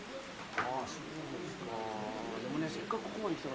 あっそうですか。